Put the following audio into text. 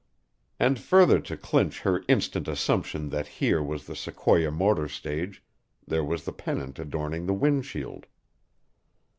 And further to clinch her instant assumption that here was the Sequoia motor stage, there was the pennant adorning the wind shield!